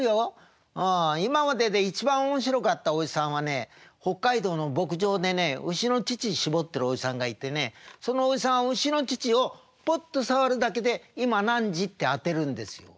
今までで一番面白かったおじさんはね北海道の牧場でね牛の乳搾ってるおじさんがいてねそのおじさん牛の乳をポッと触るだけで今何時って当てるんですよ。